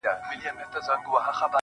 هغې راپسې دود د گرمو اوښکو سمندر کړ,